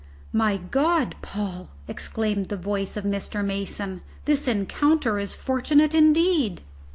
"My God, Paul!" exclaimed the voice of Mr. Mason, "this encounter is fortunate indeed."